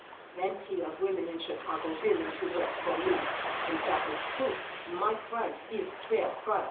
Plenty of women in Chicago villing to vork for me, and dat is proof my price is fair price."